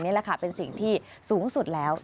นี่แหละค่ะเป็นสิ่งที่สูงสุดแล้ว